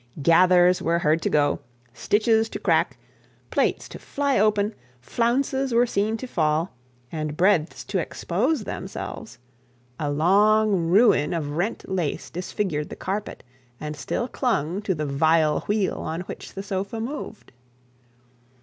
Gathers were heard to go, stitches to crack, plaits to fly open, flounces were seen to fall, and breadths to expose themselves; a long ruin of rent lace disfigured the carpet, and still clung to the vile wheel on which the sofa moved.